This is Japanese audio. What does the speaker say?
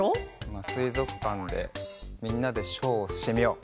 まっすいぞくかんでみんなでショーをしてみよう！